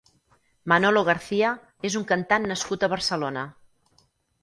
Manolo García és un cantant nascut a Barcelona.